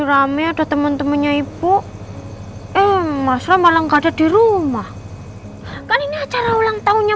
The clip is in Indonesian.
malamnya ada temen temennya ibu eh masa malah nggak ada di rumah kan ini acara ulang tahunnya